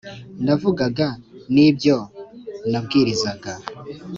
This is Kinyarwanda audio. Navugaga n ibyo nabwirizaga